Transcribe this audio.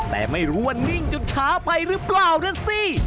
แต่ไม่รู้ว่านิ่งจนช้าไปหรือเปล่านะสิ